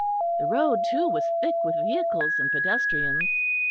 The road, too, was thick with vehicles and pedestrians.